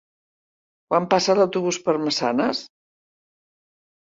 Quan passa l'autobús per Massanes?